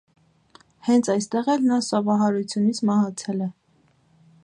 Հենց այնտեղ էլ նա սովահարությունից մահացել է։